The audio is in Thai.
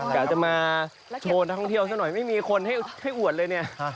กะจะมาโชว์ทักทางเที่ยวิ้วหน่อยไม่มีคนให้อวดเลย